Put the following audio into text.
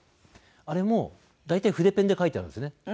あれも大体筆ペンで書いてあるんですね。